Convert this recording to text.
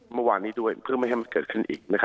เมื่อวานนี้ด้วยเพื่อไม่ให้มันเกิดขึ้นอีก